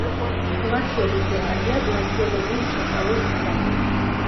გლაციოდისლოკაცია გლაციოლოგიის შესწავლის საგანია.